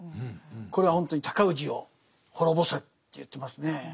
これはほんとに尊氏を滅ぼせと言ってますね。